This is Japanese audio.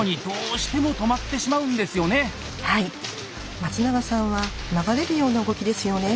松永さんは流れるような動きですよね。